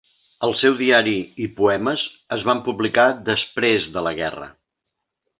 El seu diari i poemes es van publicar després de la guerra.